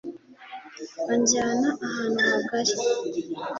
Anjyana ahantu hagari